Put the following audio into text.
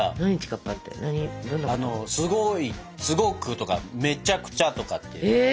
あのすごいすごくとかめちゃくちゃとかって。